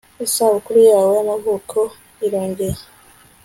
isabukuru yawe y'amavuko irongeye